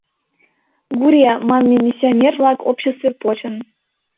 Гурия» манме миссионер-влак обществе почын.